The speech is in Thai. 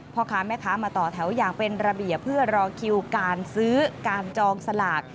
พ่อค้าแม่ค้ามาต่อแถวอย่างเป็นระเบียบเพื่อรอคิวการซื้อการจองสลาก